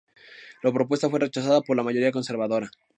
La propuesta fue rechazada por la mayoría conservadora.